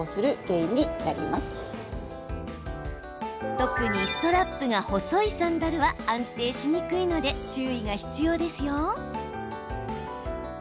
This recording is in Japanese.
特にストラップが細いサンダルは安定しにくいので注意が必要ですよ。